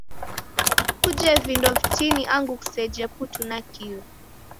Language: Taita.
Kuje vindo vitini angu kuseje putu nakio.